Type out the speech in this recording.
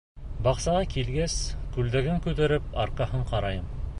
Баҡсаға килгәс, күлдәген күтәреп, арҡаһын ҡарайым.